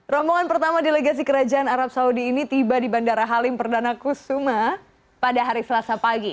rombongan pertama delegasi kerajaan arab saudi ini tiba di bandara halim perdana kusuma pada hari selasa pagi